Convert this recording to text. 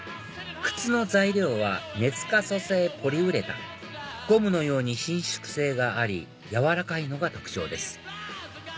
靴の材料は熱可塑性ポリウレタンゴムのように伸縮性があり柔らかいのが特徴です